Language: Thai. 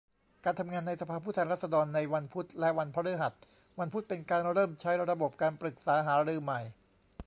การทำงานในสภาผู้แทนราษฎรในวันพุธ และ วันพฤหัส วันพุธเป็นการเริ่มใช้ระบบการปรึกษาหารือใหม่